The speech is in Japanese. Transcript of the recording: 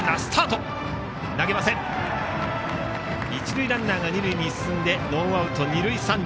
一塁ランナーが二塁へ進みノーアウト二塁、三塁。